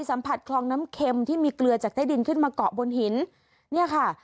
สัมผัสคลองน้ำเข็มที่มีเกลือจากใต้ดินขึ้นมาเกาะบนหินเนี่ยค่ะ